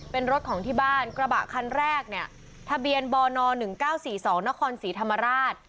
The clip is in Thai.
เป็นรถของที่บ้านกระบะคันแรกเนี้ยทะเบียนบอร์นอหนึ่งเก้าสี่สองนครศรีธรรมราช